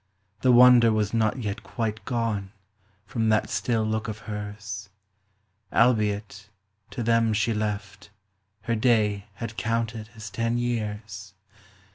The wonder was not yet quite gone From that still look of hers ; Albeit, to them she left, her day Had counted as ten years.